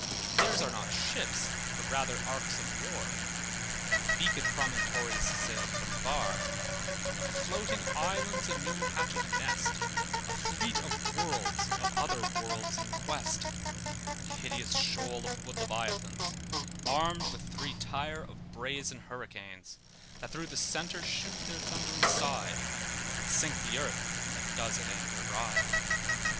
Theirs are not ships, but rather arks of war And beakèd promontories sailed from far; Of floating islands a new hatchèd nest; A fleet of worlds, of other worlds in quest; An hideous shoal of wood leviathans, Armed with three tier of brazen hurricanes, That through the centre shoot their thundering side And sink the earth that does at anchor ride.